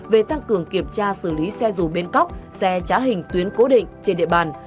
về tăng cường kiểm tra xử lý xe dùm bên cóc xe trả hình tuyến cố định trên địa bàn